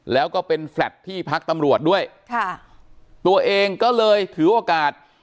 แล้วก็เป็นแฟลตที่พักตำรวจด้วยค่ะตัวเองก็เลยถือโอกาส